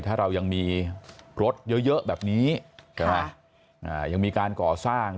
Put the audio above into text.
ถ้าเรายังมีรถเยอะแบบนี้ใช่ไหมยังมีการก่อสร้าง